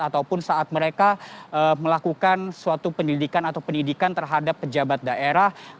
ataupun saat mereka melakukan suatu pendidikan atau pendidikan terhadap pejabat daerah ataupun anggota dpr ri